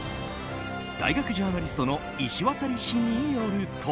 大学ジャーナリストの石渡氏によると。